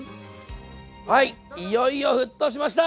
はいいよいよ沸騰しました！